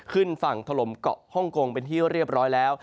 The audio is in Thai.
ขึ้นฝั่งถล่มเกาะฮ่องกงเป็นที่เรียบร้อยแล้ว